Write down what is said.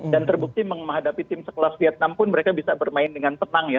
dan terbukti menghadapi tim sekelas vietnam pun mereka bisa bermain dengan tenang ya